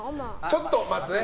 ちょっと待ってね。